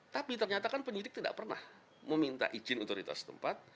tapi ternyata kan penyidik tidak pernah meminta izin otoritas tempat